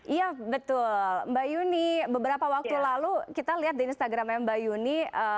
iya betul mbak yuni beberapa waktu lalu kita lihat di instagramnya mbak yuni